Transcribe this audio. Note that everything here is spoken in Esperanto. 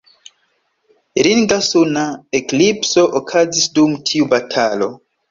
Ringa suna eklipso okazis dum tiu batalo.